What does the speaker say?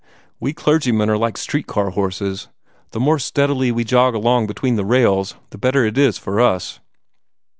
We clergymen are like street car horses. The more steadily we jog along between the rails, the better it is for us."